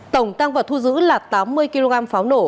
tổng tăng vật thu giữ là tám mươi kg pháo nổ